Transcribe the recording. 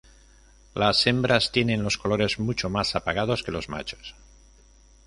Las hembras tienen los colores mucho más apagados que los machos.